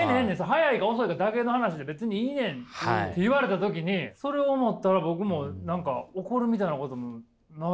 早いか遅いかだけの話で別にいいねん」って言われた時にそれを思ったら僕も何か怒るみたいなこともないし。